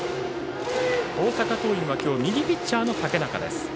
大阪桐蔭は今日右ピッチャーの竹中です。